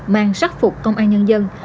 mang sắc phục công an nhân dân